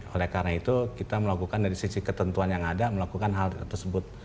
oleh karena itu kita melakukan dari sisi ketentuan yang ada melakukan hal tersebut